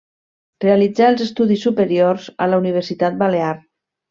Realitzà els estudis superiors a la Universitat Balear.